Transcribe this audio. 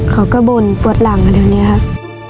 เขาก็บนปวดร่างเท่านี้ครับ